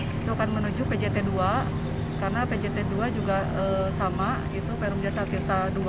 kita akan menuju pjt ii karena pjt ii juga sama itu perum jasa tirta ii